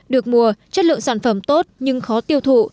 được mùa chất lượng sản phẩm tốt nhưng khó tiêu thụ